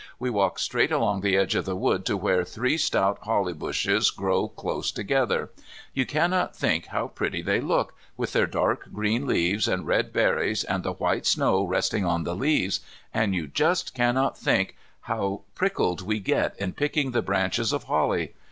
We walk straight along the edge of the wood to where three stout holly bushes grow close together. You cannot think how pretty they look, with their dark green leaves and red berries, and the white snow resting on the leaves, and you just cannot think how prickled we get in picking the branches of holly.